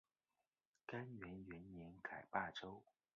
干元元年改霸州。